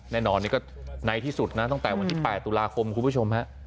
แน่นอนนี่ก็ในที่สุดนะตั้งแต่วันที่๘ตุลาคมคุณผู้ชมฮะ